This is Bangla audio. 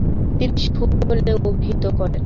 তিনি " সুদ " বলে অভিহিত করেন।